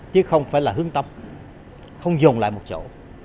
chứ không phải là hướng tâm không dồn lại một chỗ